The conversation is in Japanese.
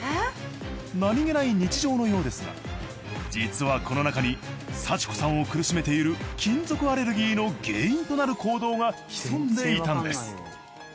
何気ない日常のようですが実はこの中に幸子さんを苦しめている金属アレルギーの原因となる行動が潜んでいたんです。